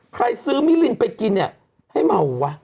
ใครซื้อมิลินไปกินเนี่ยให้เมาวะ